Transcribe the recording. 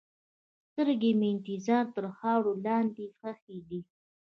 سترګې مې د انتظار تر خاورو لاندې ښخې دي.